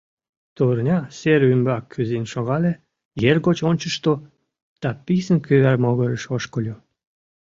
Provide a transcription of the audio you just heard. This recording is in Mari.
Турня сер ӱмбак кӱзен шогале, ер гоч ончышто да писын кӱвар могырыш ошкыльо.